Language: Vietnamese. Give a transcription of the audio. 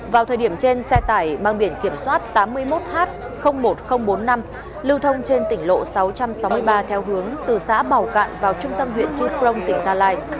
vào thời điểm trên xe tải mang biển kiểm soát tám mươi một h một nghìn bốn mươi năm lưu thông trên tỉnh lộ sáu trăm sáu mươi ba theo hướng từ xã bảo cạn vào trung tâm huyện chư prong tỉnh gia lai